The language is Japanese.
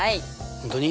本当に！？